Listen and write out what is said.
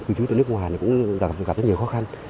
cứ dưới từ nước ngoài cũng gặp rất nhiều khó khăn